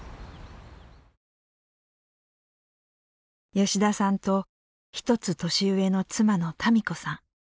吉田さんと１つ年上の妻の多美子さん。